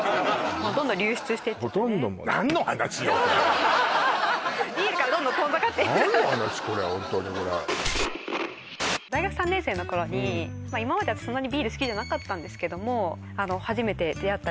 もうどんどん流出してっちゃってビールからどんどん遠ざかってる何の話これホントに大学３年生の頃に今まで私そんなにビール好きじゃなかったんですけども初めて出会った